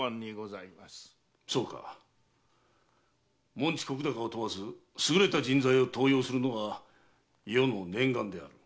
門地石高を問わず優れた人材を登用するのが余の念願である。